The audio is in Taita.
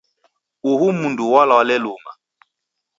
Uhu mndu walwale luma